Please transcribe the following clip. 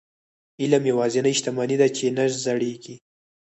علم یوازینۍ شتمني ده چې نه زړيږي.